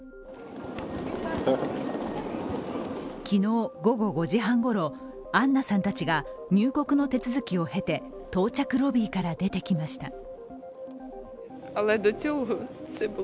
昨日午後５時半ごろアンナさんたちが入国の手続きを経て到着ロビーから出てきました。